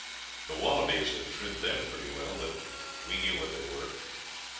The wallabies had trimmed them pretty well, but we knew what they were.